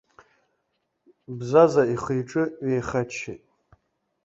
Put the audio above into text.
Бзаза ихы-иҿы ҩеихаччеит.